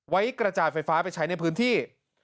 กระจายไฟฟ้าไปใช้ในพื้นที่